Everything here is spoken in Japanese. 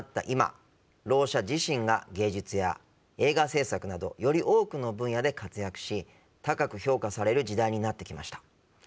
今ろう者自身が芸術や映画制作などより多くの分野で活躍し高く評価される時代になってきました。